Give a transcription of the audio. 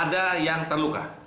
ada yang terluka